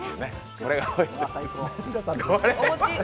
これが最高。